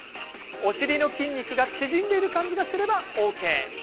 お尻の筋肉が縮んでいる感じがすればＯＫ。